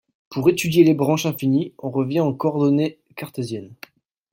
Pour étudier les branches infinies, on revient en coordonnées cartésiennes.